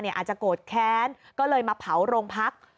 อาจจะโกรธแค้นก็เลยมาเผาโรงพัก